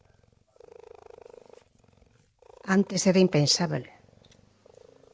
Antes era impensábel.